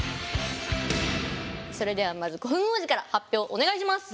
それではまず古墳王子から発表をお願いします。